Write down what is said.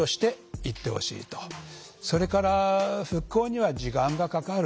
それから復興には時間がかかる。